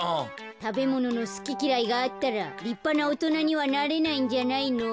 たべもののすききらいがあったらりっぱなおとなにはなれないんじゃないの？